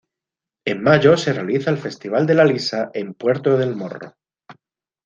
En mayo se realiza el festival de la lisa en Puerto del Morro.